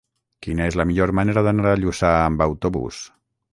Quina és la millor manera d'anar a Lluçà amb autobús?